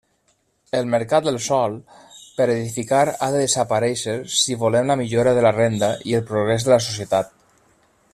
El mercat del sòl per edificar ha de desaparéixer si volem la millora de la renda i el progrés de la societat.